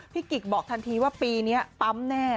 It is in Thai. กิ๊กบอกทันทีว่าปีนี้ปั๊มแน่